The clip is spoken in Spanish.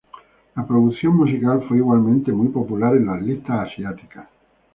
La producción musical fue, igualmente, muy popular en las listas asiáticas.